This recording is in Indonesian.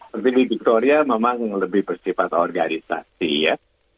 per tv victoria memang lebih bersifat organisasi ya